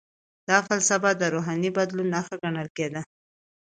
دا فلسفه د روحاني بدلون نښه ګڼل کیده.